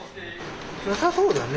よさそうだね。